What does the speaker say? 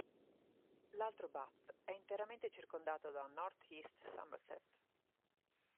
L'altro, Bath, è interamente circondato da North East Somerset.